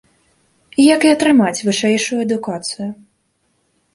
Як і атрымаць вышэйшую адукацыю.